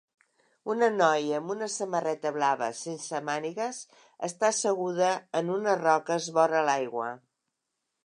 Una noia amb una samarreta blava sense mànigues està asseguda en unes roques vora l'aigua.